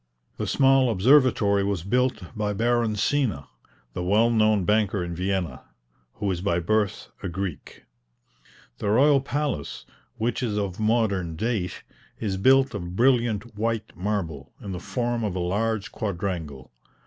The small observatory was built by Baron Sina, the well known banker in Vienna, who is by birth a Greek. The royal palace, which is of modern date, is built of brilliant white marble, in the form of a large quadrangle.